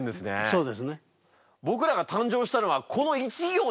そうですね。